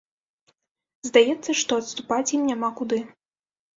Здаецца, што адступаць ім няма куды.